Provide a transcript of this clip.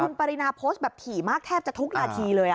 คุณปรินาโพสต์แบบถี่มากแทบจะทุกนาทีเลย